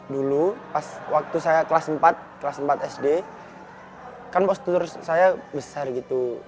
dulu pas waktu saya kelas empat kelas empat sd kan postur saya besar gitu